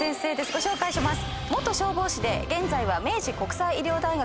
ご紹介します。